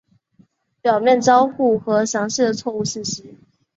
表面交互和详细的错误信息。